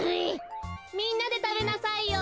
みんなでたべなさいよ。